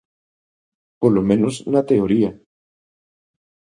Polo menos, na teoría.